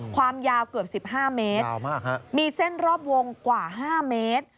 ความยาวเกือบสิบห้าเมตรยาวมากฮะมีเส้นรอบวงกว่าห้าเมตร